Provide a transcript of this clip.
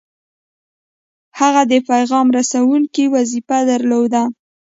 هغه د پیغام رسوونکي وظیفه درلوده.